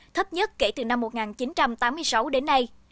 thấp nhất kể từ năm một nghìn chín trăm tám mươi sáu đến nay